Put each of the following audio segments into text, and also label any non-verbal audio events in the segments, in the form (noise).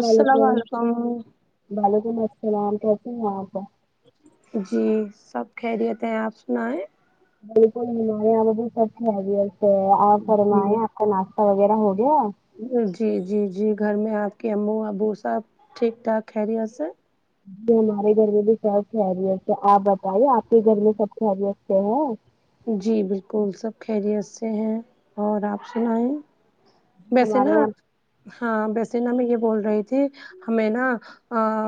السلام و علیکم بلکم السلام کیسی ہیں آپ جی سب خیریت ہے آپ سنایے بلکل ہمارے یہاں بھی سب خیریت سے ہے آپ جی فرمایے کا ناشتہ وغیرہ ہو گیا جی جی جی گھر میں آپ کے امو ابو سب ٹھیک ٹھاک خریت سے جی ہمارے گھر میں بھی سب خیریت ہے آپ بتائیے آپ کے گھر میں سب خیریت سے ہیں جی بلکل سب خیریت سے ہیں اور آپ سنائیں ہمارے ویسینا یہاں ہاں ویسینا میں یہ بول رہی تھی ہمیں نا ہاں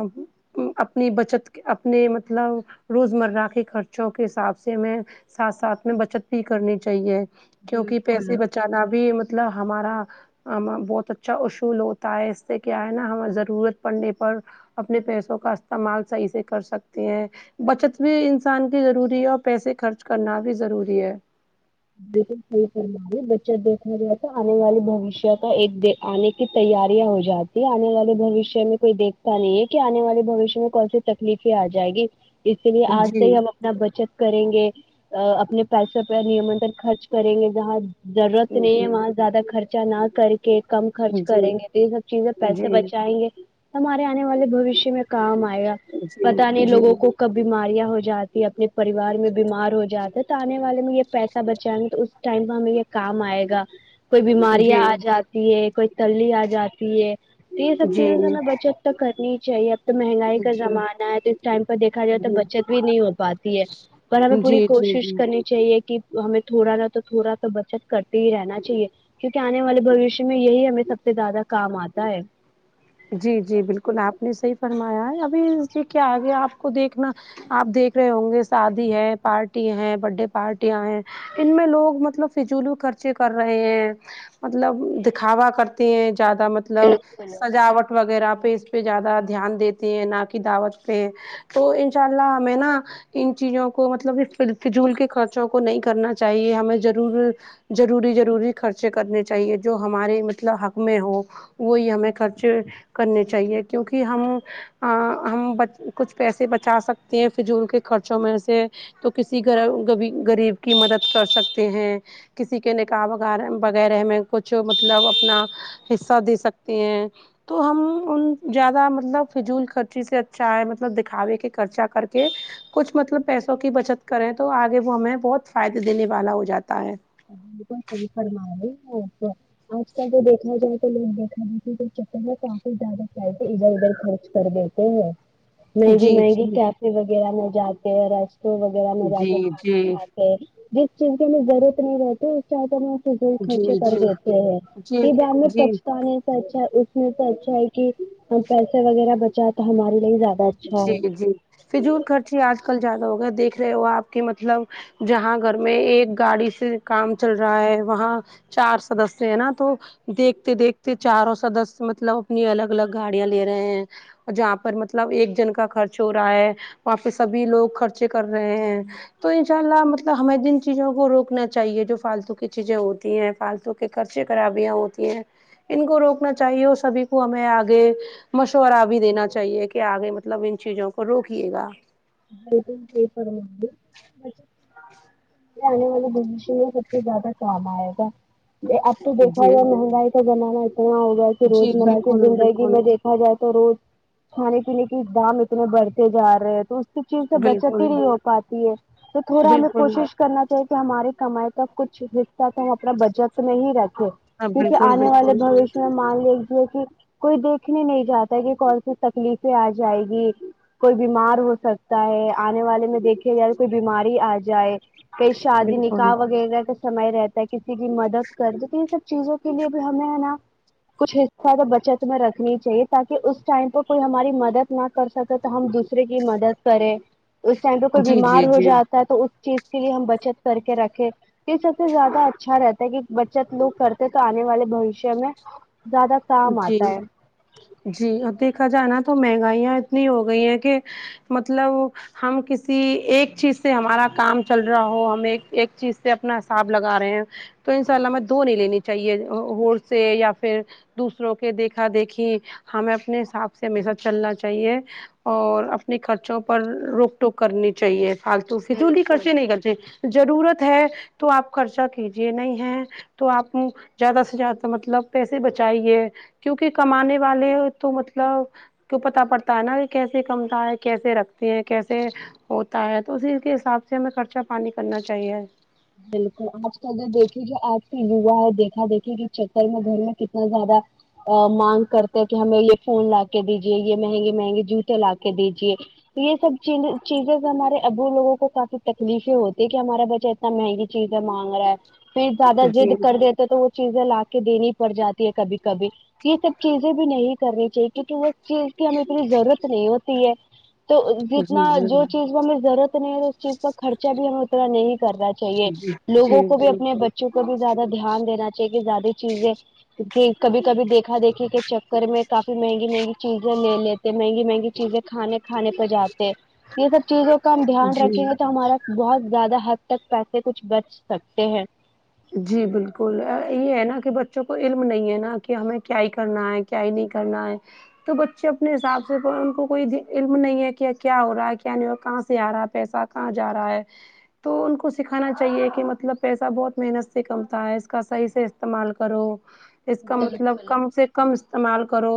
اپنی بچت اپنے مطلب روزمرہ کے خرچوں کے حساب سے ہمیں ساتھ ساتھ میں بچت بھی کرنی چاہیے کیونکہ پیسے بچانا بھی مطلب ہمارا ہم بہت اچھا اصول ہوتا ہے اس سے کیا ہے نا ہمیں ضرورت پڑنے پر اپنے پیسوں کا استعمال صحیح سے کر سکتے ہیں بچت بھی انسان کی ضروری ہے اور پیسے خرچ کرنا بھی ضروری ہے بلکل سہی فرما رہی بچٹ دیکھا جائے تو آنے والے بوشیہ کا ایک دے آنے کی تیاریاں ہو جاتی آنے والے بوشیہ میں کوئی دیکھتا نہیں ہے کہ آنے والے بوشیہ میں کون تکلیفیں آ جائے گی اسی لیے آج جی سے ہی ہم اپنا بچت کریں گے اپنے پیسوں پے ہی خرچ کریں گے جہاں ضرورت نہیں جی ہے وہاں زیادہ خرچہ نہ کرے کہ کم خرچ جی کریں گے تو یہ سب چیزیں پیسے جی بچائیں گے ہمارے آنے والے بھاوشیہ میں کام ائے گا جی پتا نہیں لوگوں جی کو کب بیماریاں ہو جاتی اپنے پریوار میں بیمار ہو جاتے تو آنے والے میں یہ پ بچائیں گے تو اس ٹائم پہ ہمیں یہ کام آئے گا کوئی بیماریاں جی آ جاتی ہے کوئی ترلی آ جاتی ہے تو یہ سب جی چیزوں سے ہمیں بچت تو کرنی ہی چاہیے تو مہنگائی جی کا زمانہ ہے تو اس ٹائم کا دیکھا جائے تو جی بچت بھی نہیں ہو پاتی ہے پر ہمیں پوری جی جی جی کوشش کرنی چاہیے کہ ہمیں تھوڑا نا تو تھوڑا بچت کرتے ہی رہنا چاہیے کیونکہ آنے والے بھاوشیہ میں یہی ہمیں سب سے زیادہ کام آتا ہے جی جی بالکل آپ نے صحیح فرمایا ہے ابھی اسی کے اگے آپ کو دیکھنا آپ دیکھ رہے ہوں گے شادی ہے پارٹی ہے برت ڈے پارٹیاں ہیں ان میں لوگ مطلب فضولو خرچے کر رہے ہیں مطلب دکھاوا کر تے ہیں زیادہ مطلب دعوت وغیرہ پہ اس پہ زیادہ دھیان دیتے ہیں نہ کہ دعوت پہ تو انشاء اللہ ہمیں نا ان چیزوں کو مطلب ف فضول کے خرچوں کو نہیں کرنا چاہیے ہمیں ضرور ضروری ضروری خرچے کرنے چاہیے جو ہمارے مطلب حق میں ہو وہی ہمیں خر چے کرنے چاہیے کیونکہ ہم ا ہم بچ کچھ پیسے بچا سکتے ہیں فضول کے خرچوں میں سے تو کسی گ غریب کی مدد کر سکتے ہیں کسی کے نکاح وغیرہ وغیرہ میں کچھ مطلب اپنا حصہ دے سکتے ہیں تو ہم ان زیادہ مطلب فضول خرچی سے اچھا ہے مطلب دکھاوے کے خرچہ کر کے کچھ مطلب پیسوں کی بچت کریں تو آگے وہ ہمیں بہت فائدے دینے والا ہو جاتا ہے آپ بالکل صحیح فرما رہی ہو آج کل تو دیکھا جائے تو لوگ دکھاوے کے چکر میں کافی زیادہ پیسے ادھر ادھر خرچ کر دی تے مہنگی جی مہنگی جی کیفے وغیرہ میں جاتے ہیں رش ٹورنٹ وغیرہ میں جا کے جی جی کھانا کھاتے جس چیز کی ہمیں ضرورت نہیں رہتی کیا کرنا فضول جی خرچے کر جی دیتے ہیں جی پھر بعد میں جی پچتانے اچھا اس میں تو اچھا ہے کہ ہم پیسے وغیرہ بچا تو ہمارے لیے زیادہ اچھا جی ہے جی فضول خرچے آج کل زیادہ ہو گیے دیکھ رہے ہو آپ کے مطلب جہاں گھر میں ایک گاڑی سے کام چل رہا ہے وہاں چار سدسیہ ہیں نا تو دیکھتے دیکھتے چاروں سدسیہ مطلب اپنی الگ الگ گاڑیاں لے رہے ہیں جہاں پر مطلب ایک جن کا خرچ ہو رہا ہے وہاں پہ سبھی لوگ خرچے کر رہے ہیں تو ان شاء اللہ مطلب ہمیں جن چیزوں کو روکنا چاہیے جو فالتو کی چیزیں ہوتی ہیں فالتو کے خرچے خرابیاں ہوتی ہیں ان کو روکنا چاہیے اور سبھی کو ہمیں آگے مشورہ بھی دینا چاہیے کے آگے مطلب ان چیزوں کو روکیے گا (unintelligible) آنے والے بھاوشیہ میں سب سے زیادہ کام آئے گا اب تو دیکھا جی جائے مہنگائی کا زمانا اتنا ہوگا کہ جی روز مرہ کی بالکل زندگی بالکل میں دیکھ کہا جائے تو روز کھانے پینے کے دام اتنے بڑھتے جا رہے ہیں تو چیز سے بچت بالکل ہی نہیں ہو پاتی ہے تو تھوڑا ہمیں بالکل کوشش کرنا چاہیے کہ ہماری کمائی کا کچھ حصہ تو ہم اپنا بچت میں ہی رکھیں ہاں کیونکہ بالکل آنے والے بالکل بھاوشیہ مان لیجیے کہ کوئی دیکھنے نہیں جاتا کہ کون سی تکلیفیں آ جائے گی کوئی بیمار ہو سک ہے آنے والے میں دیکھے جائے کوئی بیماری آ جائے کہیں شادی بالکل نکاح وغیرہ کا سمے رہتا ہے کسی کی مدد کر دو ان سب چیزوں کے لیے بھی ہمیں ہے نا کچھ حصہ تو بچت میں رکھنی چاہیے تاکہ اس ٹائم پے کوئی ہماری مدد نہ کر سکے ہم دوسرے کی مدد کریں اس ٹائم پہ کوئی جی جی بیمار ہو جی جات تو اس چیز کے لیے ہم بچت کر کے رکھے یہ سب سے زیادہ اچھا رہتا ہے کہ بچت لوگ کرتے تو آنے والے بوشیہ میں زیادہ کام جی آتا ہے جی اور دیکھا جائے نا تو مہنگائیاں اتنی ہو گئی ہیں کہ مطلب ہم کسی ایک چیز سے ہمارا کام چل رہا ہو ہم ایک ایک چیز سے اپنا حساب لگا رہے ہیں تو ان شاء اللہ ہمیں دو نہیں لینی چاہیے ہو سے یا پھر دوسروں کے دیکھا دیکھی ہمیں اپنے حساب سے ہمیشہ چلنا چاہیے اور اپنے خرچوں پر روک ٹوک کرنی چاہیے فالتو فضولی خرچے نہیں خرچے ضرورت ہے تو آپ خرچہ کیجیے نہیں ہے تو آپ زیادہ سے زیادہ مطلب پیسے بچ چاہیے کیونکہ کمانے والے تو مطلب کی پتتا پڑتا ہے نا یہ کیسے کمتا ہے کیسے رکھتے ہیں کیسے ہوتا ہے تو اسی کے حساب سے ہمیں خرچہ پانی کرنا چاہیے بالکل آج کہ اگر دیکھیے جو آج کے یوا ہے دیکھا دیکھیے کہ چکر میں گھر میں کتنا زیادہ مانگ کرتے ہیں کہ ہمیں یہ فون لا کے دیجے یہ مہنگے مہنگے جوتے لا کے دیجیے یہ سب چ چیزز ہمارے ابرو لوگوں کو کافی تکلیفیں ہوتی ہے کہ ہمارا بچ اتنا مہنگی چیزیں مانگ رہا ہے پھر زیادہ ضید جی کر دے تو وہ چیزیں لا کے دینی پڑ جاتی ہے کبھی کبھی یہ سب چیزیں بھی نہیں کرنی چاہیے کیونکہ اس چیز کی ہمیں اتنی ضرورت نہیں ہوتی ہے تو جی جتنا جی جو چیز کو ہمیں ضرورت نہیں ہے اس چیز کا خرچہ بھی ہمیں اتنا نہیں کرنا لوگوں جی کو بھی جی اپنے بچوں کو بھی زیادہ دھیان دینا چاہیے کہ زیادہ چیزیں جی کبھی کبھی دیکھا دیکھی کے چکر میں کافی مہنگی مہنگی چیزیں لے لی مہنگی مہنگی چیزیں کھانے کھانا پہ جاتے یہ سب چیزوں کا ہم دھیان جی رکھیں گے تو ہمارا بہت زیادہ حد تک پیس سہ کچھ بچ سکتے ہیں جی بالکل یہ ہے نا کہ بچوں کو علم نہیں ہے نا کہ ہمیں کیا ہی کرنا ہے کیا ہی نہیں کرنا ہے تو بچے اپنے حساب سے ان کو کوئی علم نہیں ہے کہ کیا ہو رہا ہے کیا نہیں ہو رہا کہاں سے آ رہا ہے پیسہ کہاں جا رہا ہے تو ان کو سکھانا چاہیے کہ مطلب پیسہ بہت محنت سے کمتا ہے اس کا صحیح سے استعمال کرو اس کا مطلب کم سے کم استعمال کرو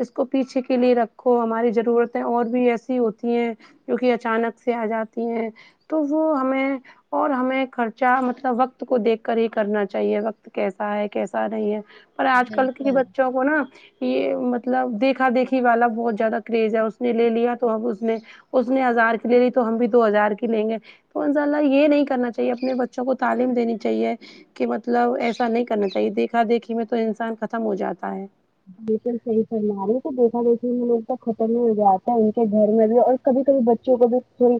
اس کو پیچھے کے لیے رکھو ہماری ضرورتیں اور بھی ایسی ہوتی ہیں جو کہ اچانک سے آ جاتی ہیں تو وہ ہمیں اور ہمیں خرچہ مطلب وقت کو دیکھ کر ہی کرنا چاہیے وقت کیسا ہے کیسا نہیں ہے پر آج کل کی بچوں کو نا یہ مطلب دیکھا دیکھی والا بہت زیادہ کریز ہے اس نے لے لیا تو اب اس میں اس نے ہزار کی لے لی تو ہم بھی دو ہزار کی لیں گے تو انزءلہ یہ نہیں کرنا چاہیے اپنے بچوں کو تعلیم دینی چاہیے کہ مطلب ایسا نہیں کرنا چاہیے دیکھا دیکھی میں تو انسان ختم ہو جاتا ہے بالکل صحیح فرما رہی ہے تو دیکھا دیکھے میں لوگ تو ختم ہی ہو جاتا ہے ان کے گھر میں بھی اور کبھی کبھی بچوں کو بھی تھوڑی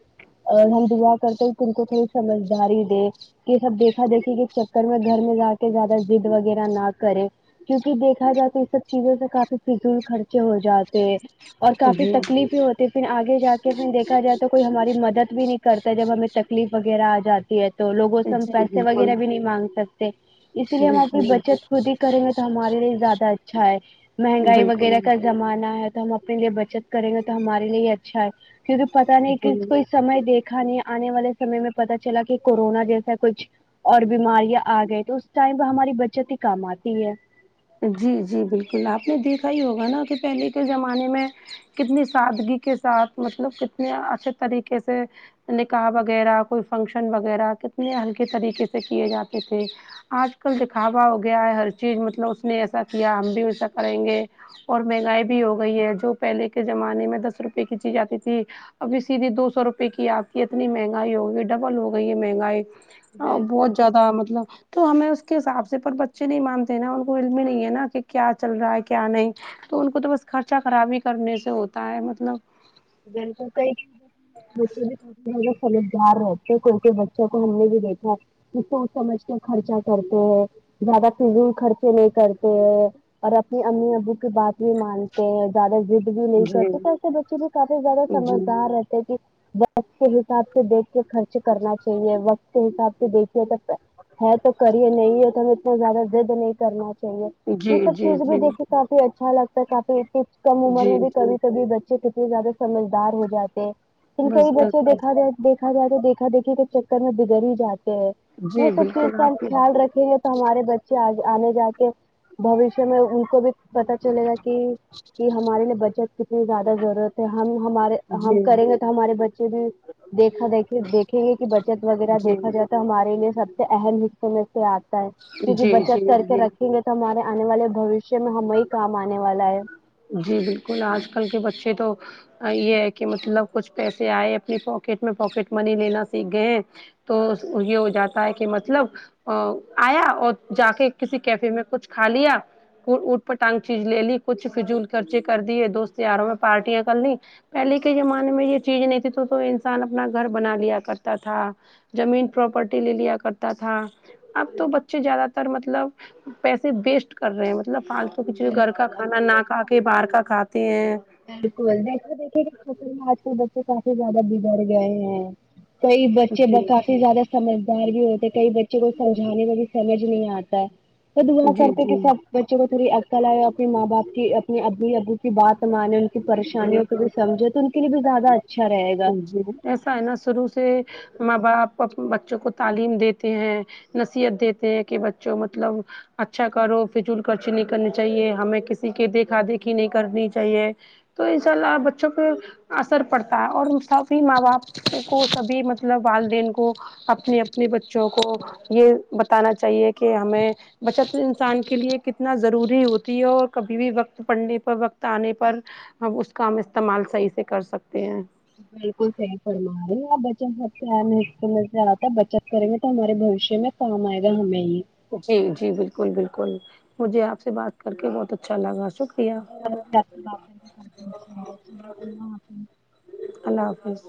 ہاں دعا کرتے کہ ان کو تھوڑی سمجھداری دے کہ سب دیکھا دیکھی کے چکر میں گھر میں جا کے زیادہ ضد وغیرہ نہ کرے کیونکہ دیکھا جائے تو یہ سب چیزوں سے کافی فضول خرچے ہو جاتے اور کافی جی تکلیفئیں ہو ٹی پھر آگے جا کے پھر دیکھا جائے تو کوئی ہماری مدد بھی نہیں کرتا ہے جب ہمیں تکلیف وغیرہ آ جاتی ہے تو لوگوں سے ہم جی پیسے بالکل وغیرہ بھی نہیں مانگ سک تے اسی لیے ہم اپنی بالکل بچت خود ہی کریں گے تو ہمارے لیے زیادہ اچھا ہے مہنگائی وغیرہ بالکل کا زمانہ ہے تو ہم اپنے لیے بچت کریں گے تو ہمارے لیے ہی اچھا ہے کیونکے پتہ نہیں جی کس کو اس سمے دیکھا نہیں انے والے سمے میں پتہ چلا کے کرونا جیسا کچھ اور بیماریاں آ گئے تو اس ٹائم پہ ہماری بچت ہی کام آتی ہے جی جی بالکل آپ نے دیکھا ہی ہوگا نا کہ پہلے کے زمانے میں کتنی سادگی کے ساتھ مطلب کتنے اچھے طریقے سے نکاح وغیرہ کوئی فنکشن وغیرہ کتنے ہلکے طریقے سے کیے جاتے تھے آج کل دکھاوا ہو گیا ہے ہر چیز مطلب اس نے ایسا کیا ہم بھی ویسا کریں گے اور مہنگائی بھی ہو گئی ہے جو پہلے کے زمانے میں دس روپئے کی چیز آتی تھی ابھی سیدھی دو سو روپے کی آتی ہے اتنی مہنگائی ہوگئی ڈبل ہوگئی ہے مہنگائی ہاں بالکل بہت زیادہ مطلب تو ہمیں اس کے حساب سے پر بچے نہیں مانتے ہے نا ان کو علم ہی نہیں ہے نا کہ کیا چل رہا ہے کیا نہیں تو ان کو تو بس خرچہ خرابی کرنے سے ہوتا ہے مطلب بالکل صحیح بچے بھی کافی زیادہ سمجدار رہتے ہیں کیونکے بچوں کو ہم نے بھی دیکھا ہے کے سوچ سمجھ کے خرچا کرتے ہیں زیادہ فضول خرچے نہیں کرتے ہیں اور اپنی امی ابو کی بات بھی مانتے ہیں زیادہ ضد بھی نہیں جی کرتے تو ایسے بچے بھی کافی زیادہ جی سمجھدار رہتے وقت کے حساب سے دیکھ کے خرچ کرنا چاہیے وقت کے حساب سے دیکھیے تو ہے تو کرئیے نہیں ہے تو ہمیں اتنا زیادہ ضد نہیں کرنا چاہیے یہ جی سب جی چیزیں بھی جی دیکھیے کافی اچھا لگتا ہے کافی کم عمر جی میں بھی جی کبھی کبھی بچے ک زیادہ سمجھدار ہو جاتے ہیں ان کے ہی بس بس بچے بس دیکھا گیا دیکھا جائے تو دیکھا دیکھی کے چکر میں بگڑ ہی جاتے ہیں وہ جی سب چیز بالکل کا ہم آپ کی، خیال رکھ یں تو ہمارے بچے آگے آنے جا کے بھوشیہ میں ان کو بھی پتا چلے گا کہ یہ ہمارے لیے بچت کتنی زیادہ ضرورت ہے ہم ہمارے ہم جی کریں گے تو ہمارے بچے بھی دیکھا دیکھی دیکھیں گے کہ بچت وغیرہ جی دیکھا جا ے تو ہمارے لیے سب سے اہم حصوں میں سے آتا ہے جی کیونکہ بچت جی کر کے جی رکھیں گے تو ہمارے آنے والے بھوشیہ میں ہمیں ہی کام آنے والا ہے جی بالکل آج کل کے بچے تو یہ ہے کہ مطلب کچھ پیسے آئے اپنی پاکٹ میں پوکٹ منی لینا سیکھ گئے ہیں تو یہ ہوجاتا ہے کہ مطلب او آیا اور جا کے کسی کیفے میں کچھ کھا لیا اوٹ پٹانگ چیز لے لی کچھ فضول خرچی کر دیے دوست یاروں میں پارٹیاں کرلی پہلے کے زمانے میں یہ چیز نہیں تھی تو تو انسان اپنا گھر بنا لیا کرتا تھا زمین پراپرٹی لے لیا کرتا تھا اب تو بچے زیادہ تر مطلب پیسے ویسٹ کر رہے ہیں مط لب فالتو کچھ گھر کا بالکل ابھی کھانا نہ دیکھا کھا کے باہر کا کھاتے ہیں بالکل دیکھا دیکھی کے چکر میں آج کے بچے کافی زیادہ بگڑ گئے ہیں کئی بچے جی بتاتے زیادہ سمجھدار بھی ہوتے کئی بچے کو سمجھانے میں بھی سمجھ نہیں آتا وہ دعا جی کرتے ہیں کہ جی سب بچوں کو تھوری عقل آجاتی ماں باپ کی اپنی امی ابو کی بات مانے جی پریشانیوں کو بھی سمجھے تو ان کے لیے بھی زیادہ اچ جی ایسا ہے نا سروع سے ماں باپ بچوں کو تعلیم دیتے ہیں نصیحت دیتے ہیں کہ بچوں مطلب اچھا کرو فجول خرچی نہیں کرنی چاہیے ہمیں کسی کے دیکھا دیکھی نہیں کرنی چاہیے تو انشاء اللہ بچوں پہ اثر پڑتا اور سبی ماں باپ کو سبھی مطلب والدین کو اپنے اپنے بچوں کو یہ بتانا چاہیے کہ ہمیں بچت انسان کے لیے کتنا ضروری ہوتی ہے اور کبھی بھی وقت پڑنے پر وقت آنے پر اب اس کا ہم استعمال صحیح سے کر سکتے ہیں بالکل صحیح فرما رہی ہیں آپ بچے سب میں سمجھدار اپ بچت کریں گے تو ہمارے بھوشیا میں کام آئے گا ہمیں ہی جی جی بالکل بالکل مجھے اپ سے بات کر کے بہت اچھا لگا شک (inaudible) کیا جی ہمیں بھی آپ سے بات کر کے کافی اچھا لگا چلیے اللہ حافظ اللہ حافظ